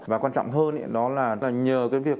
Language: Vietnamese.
và quan trọng hơn đó là nhờ cái việc